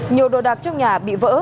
nhiều đồ đạc trong nhà bị vỡ